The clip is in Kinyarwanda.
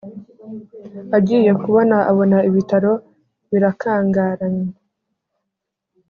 agiye kubona abona ibitaro birakangaranye